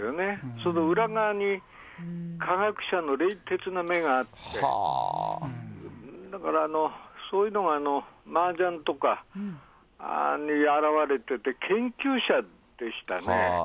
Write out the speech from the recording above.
その裏側に、科学者の冷徹な目があって、だから、そういうのがマージャンとかに表れてて、研究者でしたね。